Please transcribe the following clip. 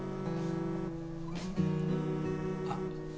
あっ